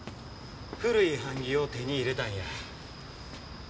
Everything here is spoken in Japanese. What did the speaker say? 古い版木を手に入れたんや。